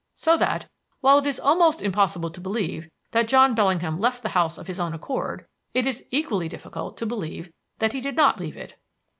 So that, while it is almost impossible to believe that John Bellingham left the house of his own accord, it is equally difficult to believe that he did not leave it.